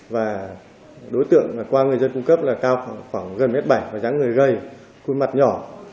và đối tượng qua người dân cung cấp là cao khoảng gần một m bảy và giá người gầy khuôn mặt nhỏ